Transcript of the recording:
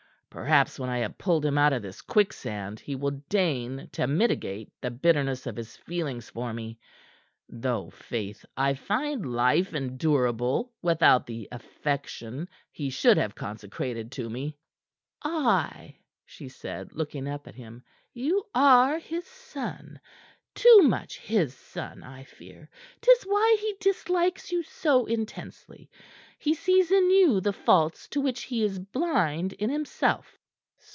Perhaps when I have pulled him out of this quicksand, he will deign to mitigate the bitterness of his feelings for me. Though, faith, I find life endurable without the affection he should have consecrated to me." "Ay," she said, looking up at him. "You are his son; too much his son, I fear. 'Tis why he dislikes you so intensely. He sees in you the faults to which he is blind in himself."